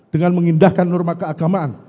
dengan mengindahkan norma keagamaan